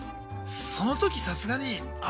その時さすがにあ